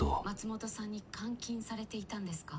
松本さんに監禁されていたんですか？